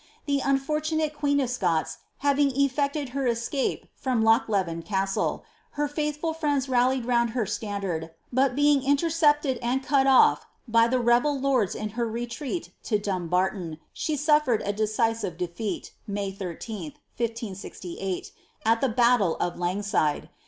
The unfortunate queen of Scots having effected her escape from Lochleven castle, her hithful friends rallied round her standard, but being intercepted and cut ofl" by the rebel lords in her retreat to Dumbarton, she suffered a deci sive defeat. May 13th, 1568, at the tattle of Lengside.